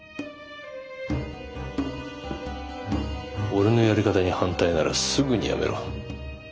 俺のやり方に反対ならすぐにやめろ。